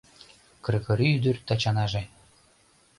Кыргори ӱдыр Тачанаже